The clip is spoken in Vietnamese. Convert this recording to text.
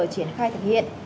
triển khai thực hiện